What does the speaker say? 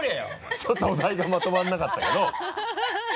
ちょっとお題がまとまらなかったけど。